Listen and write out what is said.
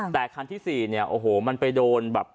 แต่คันที่๔เนี่ยโอ้โหมันไปโดนแบบ